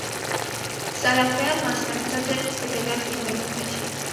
Սարաֆեան մասնակցած է հետեւեալ ֆիլմերուն մէջ։